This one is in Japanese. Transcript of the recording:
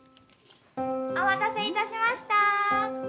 お待たせいたしました。